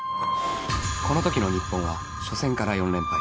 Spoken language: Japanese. この時の日本は初戦から４連敗